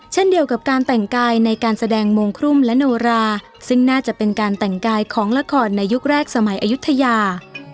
เช่นเดียวกับการแต่งกายในการแสดงโมงครุ่มและโนราซึ่งน่าจะเป็นการแต่งกายของละครในยุคแรกสมัยอายุทยา